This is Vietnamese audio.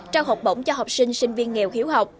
trao học bổng cho học sinh sinh viên nghèo hiếu học